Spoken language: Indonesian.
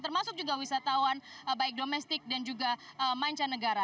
termasuk juga wisatawan baik domestik dan juga mancanegara